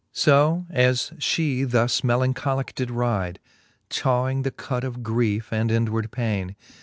So as (he thus melancholicke did ride, Chawing the cud of griefe and inward paine.